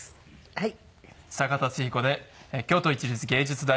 はい。